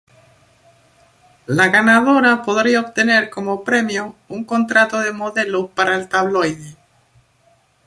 La ganadora podría obtener como premio un contrato de modelo para el tabloide.